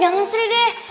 jangan sri deh